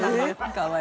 かわいい。